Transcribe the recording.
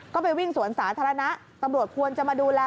ก็ไปวิ่งสวนสาธารณะตำรวจควรจะมาดูแล